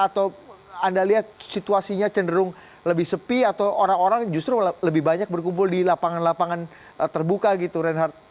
atau anda lihat situasinya cenderung lebih sepi atau orang orang justru lebih banyak berkumpul di lapangan lapangan terbuka gitu reinhardt